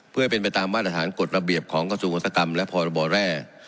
เพื่อให้เป็นไปตามมาตรฐานกฎระเบียบของกระทรวงอุตสากรรมและพรบแร่